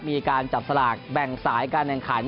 มีการจับสลากแบ่งสายการแข่งขัน